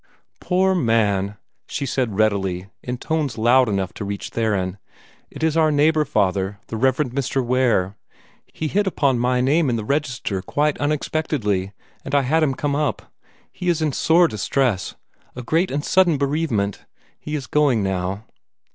"Poor man!" she said readily, in tones loud enough to reach Theron. "It is our neighbor, Father, the Rev. Mr. Ware. He hit upon my name in the register quite unexpectedly, and I had him come up. He is in sore distress a great and sudden bereavement. He is going now.